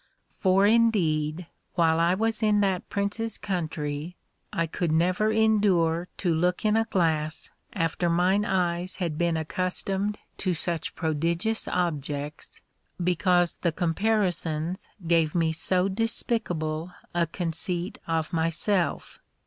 For, indeed, while I was in that prince's country, I could never endure to look in a glass after mine eyes had been accustomed to such prodigious objects, because the comparisons gave me so despicable a conceit of myself.